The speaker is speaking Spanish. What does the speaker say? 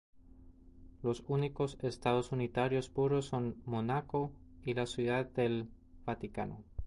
Los únicos estados unitarios puros son Mónaco y la Ciudad del Vaticano.